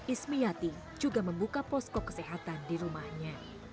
ismi yati juga membuka posko kesehatan di rumahnya